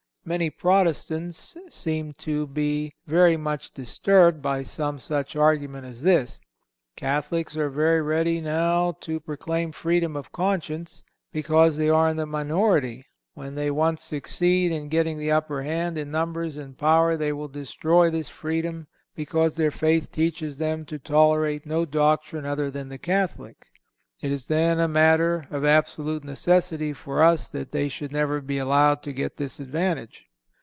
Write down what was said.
Many Protestants seem to be very much disturbed by some such argument as this: Catholics are very ready now to proclaim freedom of conscience, because they are in the minority. When they once succeed in getting the upper hand in numbers and power they will destroy this freedom, because their faith teaches them to tolerate no doctrine other than the Catholic. It is, then, a matter of absolute necessity for us that they should never be allowed to get this advantage.